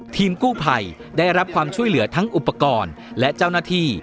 ทีมกู้ภัยได้รับความช่วยเหลือทั้งอุปกรณ์และเจ้าหน้าที่